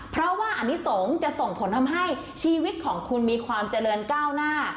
เพราะว่าอนิสงฆ์จะส่งผลทำให้ชีวิตของคุณมีความเจริญก้าวหน้า